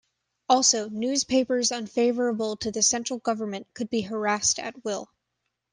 Also, newspapers unfavorable to the central government could be harassed at will.